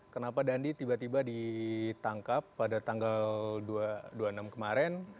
kenapa dandi tiba tiba ditangkap pada tanggal dua puluh enam kemarin